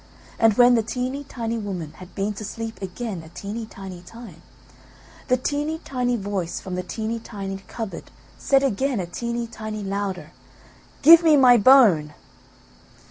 And when the teeny tiny woman had been to sleep again a teeny tiny time, the teeny tiny voice from the teeny tiny cupboard said again a teeny tiny louder, "Give me my bone!"